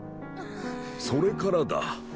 それからだ。